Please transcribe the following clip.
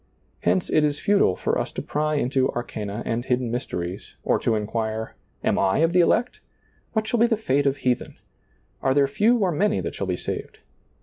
Hence it is futile for us to pry into arcana and hidden mysteries, or to inquire. Am I of the elect? What shall be the fete of heathen? Are there few or many that shall be saved